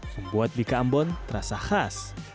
membuat bika ambon terasa khas